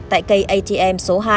tại cây atm số hai